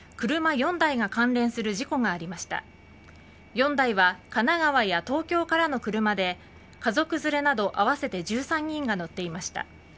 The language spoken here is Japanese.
４台は神奈川や東京からの車で家族連れなど合わせて１３人が乗っていました。